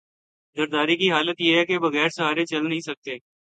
زرداری کی حالت یہ ہے کہ بغیر سہارے چل نہیں سکتے۔